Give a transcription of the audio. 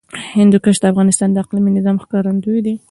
هندوکش د افغانستان د اقلیمي نظام ښکارندوی ده.